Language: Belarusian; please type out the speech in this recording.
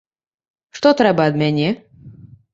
Што трэба ад мяне?